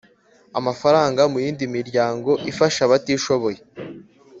amafaranga mu yindi miryango ifasha abatishoboye